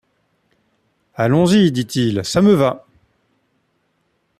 Allons-y, dit-il, ça me va!